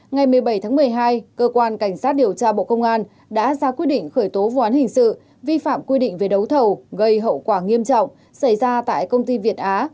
ngày một mươi bảy tháng một mươi hai cơ quan cảnh sát điều tra bộ công an đã ra quyết định khởi tố vụ án hình sự vi phạm quy định về đấu thầu gây hậu quả nghiêm trọng xảy ra tại công ty việt á